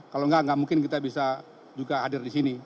kalau enggak enggak mungkin kita bisa juga hadir di sini